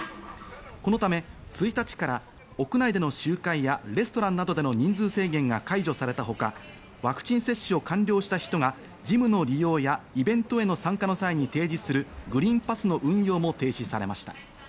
このため１日から屋内での集会やレストランなどでの人数制限が解除されたほか、ワクチン接種を完了した人がジムの利用やイベントへの参加の際に提示するグリーンパスの運用も停止されました。